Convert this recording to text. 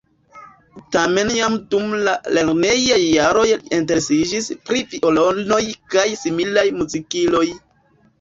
Tamen jam dum la lernejaj jaroj li interesiĝis pri violonoj kaj similaj muzikiloj.